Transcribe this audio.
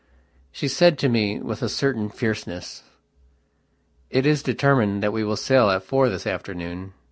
She said to me with a certain fierceness: "It is determined that we sail at four this afternoon?